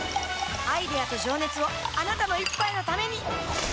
アイデアと情熱をあなたの一杯のためにプシュッ！